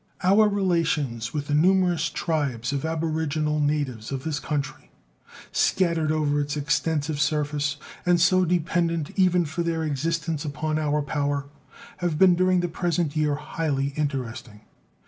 Our relations with the numerous tribes of aboriginal natives of this country, scattered over its extensive surface and so dependent even for their existence upon our power, have been during the present year highly interesting.